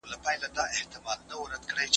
په زارۍ به یې خیرات غوښت له څښتنه